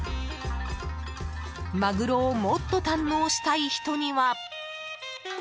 マグロをもっと堪能したい人には。